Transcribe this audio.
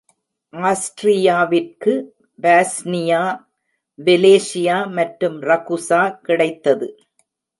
ஆஸ்ட்ரியாவிற்கு Bosnia, வெலேஷியா மற்றும் ரகுசா கிடைத்தது.